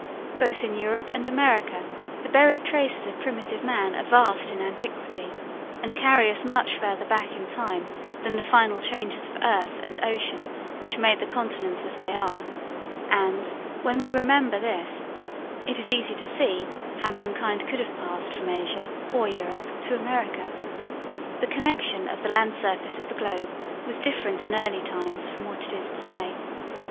Both in Europe and America the buried traces of primitive man are vast in antiquity, and carry us much further back in time than the final changes of earth and ocean which made the continents as they are; and, when we remember this, it is easy to see how mankind could have passed from Asia or Europe to America. The connection of the land surface of the globe was different in early times from what it is to day.